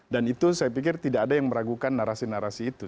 dan itu saya pikir tidak ada yang meragukan narasi narasi itu